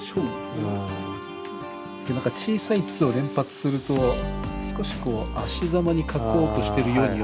何か小さい「つ」を連発すると少しこうあしざまに書こうとしてるように思われるのかな。